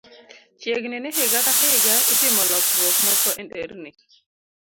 Chiegni ni higa ka higa, itimo lokruok moko e nderni